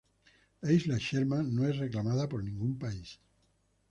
La isla Sherman no es reclamada por ningún país.